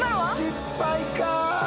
失敗か。